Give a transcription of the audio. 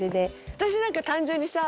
私なんか単純にさ